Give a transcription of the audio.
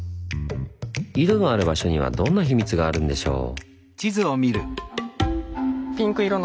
井戸のある場所にはどんなヒミツがあるんでしょう。